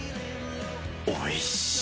おいしい。